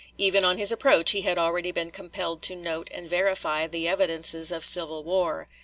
Even on his approach he had already been compelled to note and verify the evidences of civil war.